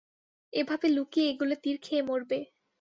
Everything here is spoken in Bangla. এভাবে লুকিয়ে এগোলে তীর খেয়ে মরবে।